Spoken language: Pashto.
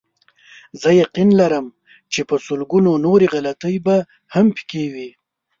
زه یقین لرم چې په لسګونو نورې غلطۍ به هم پکې وي.